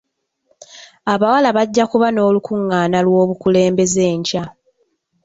Abawala bajja kuba n'olukungaana lw'obukulembeze enkya.